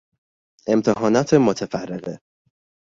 امتحانات متفرقه